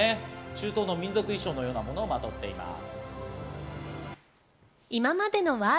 中東の民族衣装のようなものをまとっています。